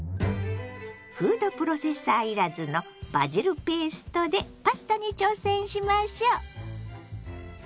フードプロセッサー要らずのバジルペーストでパスタに挑戦しましょ！